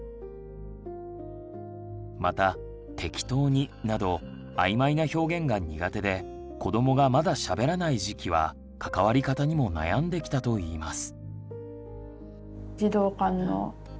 また「適当に」など曖昧な表現が苦手で子どもがまだしゃべらない時期は関わり方にも悩んできたといいます。